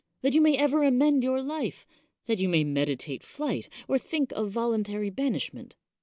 that you may ever amend your life? that you may meditate flight or think of voluntary banishment?